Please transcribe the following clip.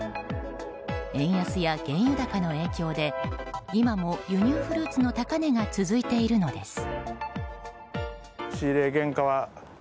円安や原油高の影響で今も輸入フルーツの高値が続いているのです。